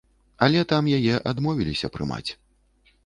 Але там яе адмовіліся прымаць!